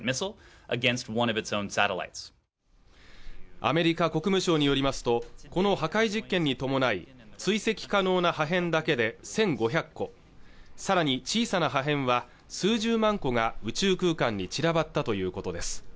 アメリカ国務省によりますとこの破壊実験に伴い追跡可能な破片だけで１５００個さらに小さな破片は数十万個が宇宙空間に散らばったということです